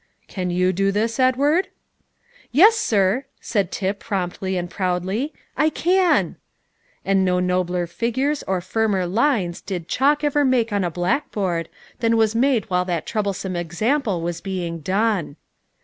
"Can you do this, Edward?" "Yes, sir," said Tip promptly and proudly, "I can." And no nobler figures or firmer lines did chalk ever make on a blackboard than was made while that troublesome example was being done.